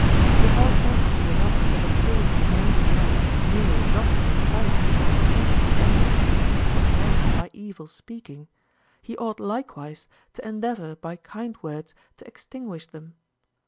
It ought not to be enough in a truly humane man merely not to incite or increase the enmities of men by evil speaking; he ought likewise to endeavor by kind words to extinguish them.